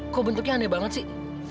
kok bentuknya aneh banget sih